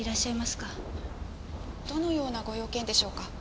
どのようなご用件でしょうか？